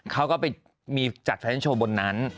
เขาก็ไปมีจัดแฟชั่นโชว์บนนั้น